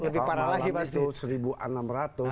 kalau malam itu satu enam ratus